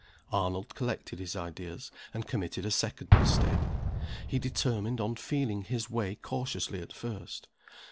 Arnold collected his ideas and committed a second mistake. He determined on feeling his way cautiously at first.